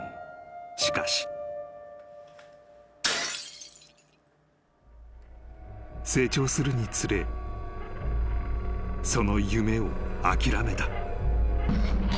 ［しかし］［成長するにつれその夢を諦めた］